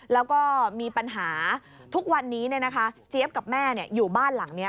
แล้วก็มีปัญหาทุกวันนี้เจี๊ยบกับแม่อยู่บ้านหลังนี้